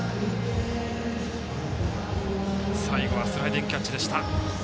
最後はスライディングキャッチでした。